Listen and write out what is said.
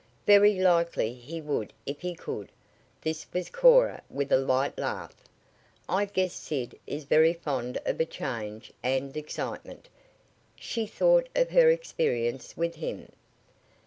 "Very likely he would if he could." This from Cora with a light laugh. "I guess Sid is very fond of a change and excitement." She thought of her experience with him.